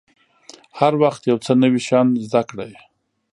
هر وخت یو څه نوي شیان زده کړئ.